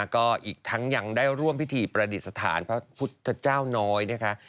ก็อีกทั้งยังได้ร่วมพิธีประดิษฐานพระพุทธเจ้าน้อยนะคะ